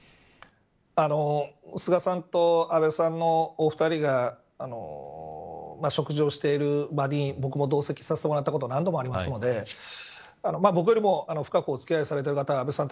菅さんと安倍さんのお二人が食事をしている場に僕も同席させてもらったことも何度もありますので僕よりも深くお付き合いされている方、安倍さん